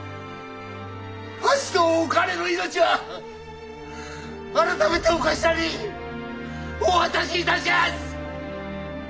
あっしとおかねの命は改めてお頭にお渡し致します！